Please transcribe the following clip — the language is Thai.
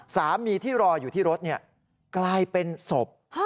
สามีที่รออยู่ที่รถกลายเป็นศพ